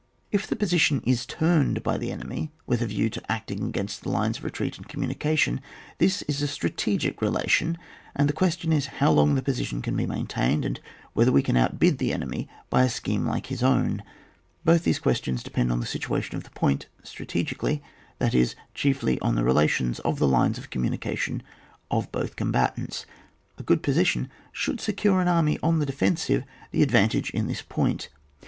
If the position ts tutmed by the enemy with a view to acting against the lines of retreat and communication, this is a stra tegic relation, and the question is how long the position can be maintained, and whether we cannot outbid the enemy by a scheme like his own, both these questions depend on the situation of the point (strategically), that is, chiefly on the relations of the lines of communication of both combatants. A good position should secure to the army on the defen sive the advantage in this point.